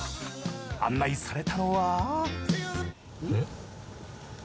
案内されたのは。